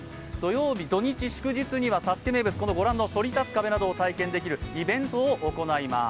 土日祝日には「ＳＡＳＵＫＥ」名物、そり立つ壁などを体験できるイベントを行います。